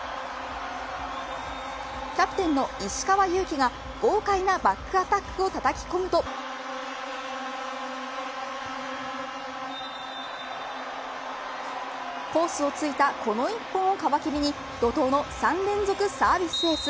キャプテンの石川祐希が豪快なバックアタックをたたき込むとコースを突いたこの１本を皮切りに怒とうの３連続サービスエース。